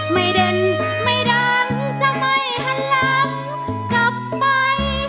ไม่เด่นไม่ดันจะไม่ทันลำกลับไป